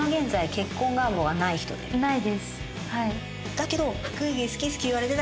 だけど。